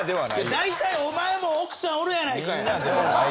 大体お前も奥さんおるやないかい！